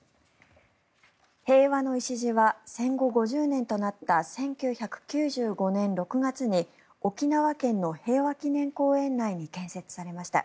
平和の礎は戦後５０年となった１９９５年６月に沖縄県の平和祈念公園内に建設されました。